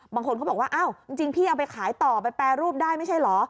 บางคนเขาบอกว่าอ้าวจริงพี่เอาไปขายต่อไปแปรรูปได้ไม่ใช่เหรอ